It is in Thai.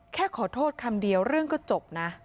แค่ขอโทษคำเดียวเรื่องก็จบนะ